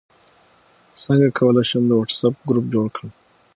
څنګه کولی شم د واټساپ ګروپ جوړ کړم